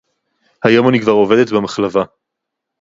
היום אני כבר עובדת במחלבה.